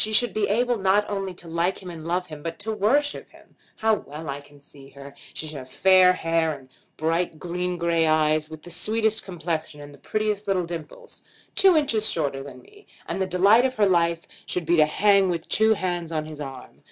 She should be able not only to like him and love him, but to worship him. How well I can see her! She should have fair hair, and bright green gray eyes, with the sweetest complexion, and the prettiest little dimples; two inches shorter than me, and the delight of her life should be to hang with two hands on his arm.